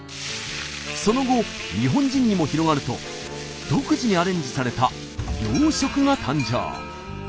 その後日本人にも広がると独自にアレンジされた洋食が誕生。